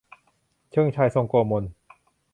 เชิงชาย ทรงโกมล